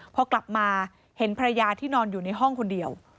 พอกลับมาเห็นภรรยาที่นอนอยู่ในห้องคนเดียว